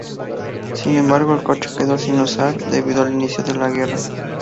Sin embargo el coche quedó sin usar, debido al inicio de la guerra.